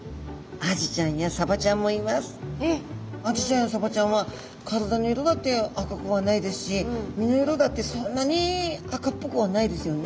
アジちゃんやサバちゃんは体の色だって赤くはないですし身の色だってそんなに赤っぽくはないですよね。